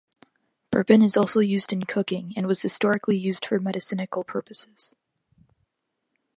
Bourbon is also used in cooking and was historically used for medicinal purposes.